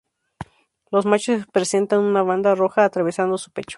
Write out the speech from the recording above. Los machos presentan una banda roja atravesando su pecho.